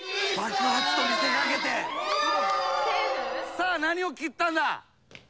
さあ何を切ったんだ？